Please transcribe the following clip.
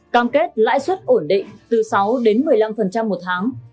cam kết lãi suất ổn định từ sáu đến một mươi năm một tháng